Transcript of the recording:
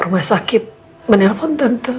rumah sakit menelpon tante